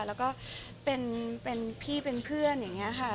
แล้วก็เป็นพี่เป็นเพื่อนอย่างนี้ค่ะ